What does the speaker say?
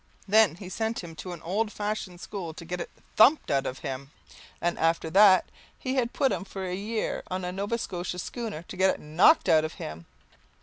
Then he sent him to an old fashioned school to get it "thumped out of him," and after that he had put him for a year on a Nova Scotia schooner to get it "knocked out of him."